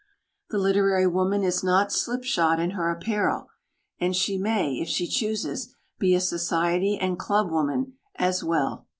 The literary woman is not slipshod in her apparel, and she may, if she chooses, be a society and club woman as well.